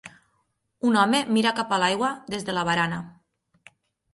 Un home mira cap a l'aigua des de la barana.